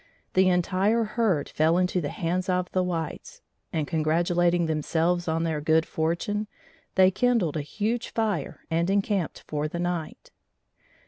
The entire herd fell into the hands of the whites, and, congratulating themselves on their good fortune, they kindled a huge fire and encamped for the night.